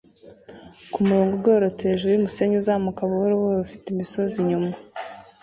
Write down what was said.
kumurongo ugororotse hejuru yumusenyi uzamuka buhoro buhoro ufite imisozi inyuma